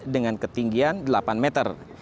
dengan ketinggian delapan meter